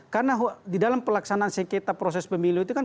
karena di dalam pelaksanaan sekretar proses pemilu itu kan